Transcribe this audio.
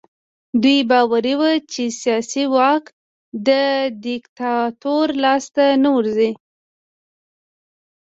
دوی باوري وو چې سیاسي واک د دیکتاتور لاس ته نه ورځي.